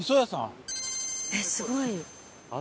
えっすごい。